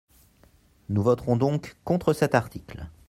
Nous voterons donc contre cet article.